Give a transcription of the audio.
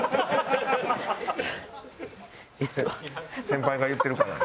先輩が言ってるから。